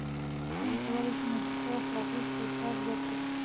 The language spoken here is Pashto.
څنګه کولای شو منطقي او اخلاقي استدلال وکړو؟